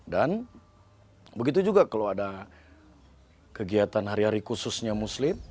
dan begitu juga kalau ada kegiatan hari hari khususnya muslim